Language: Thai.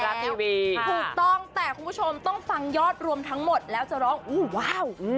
ถูกต้องแต่คุณผู้ชมต้องฟังยอดรวมทั้งหมดแล้วจะร้องอู้ว้าว